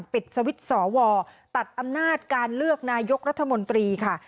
ปิดสวิตช์สวตัดอำนาจการเลือกนายกรัฐมนตรีค่ะ